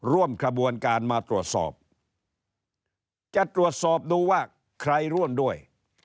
ร่วมขบวนการมาตรวจสอบจะตรวจสอบดูว่าใครร่วมด้วย